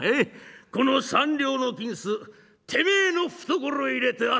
この三両の金子てめえの懐へ入れてあっためろ！